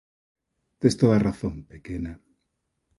Tes toda a razón, pequena.